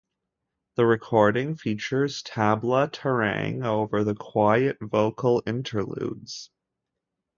The recording features tabla tarang over the quiet, vocal interludes.